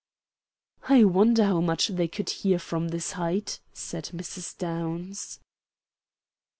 "I wonder how much they could hear from this height?" said Mrs. Downs.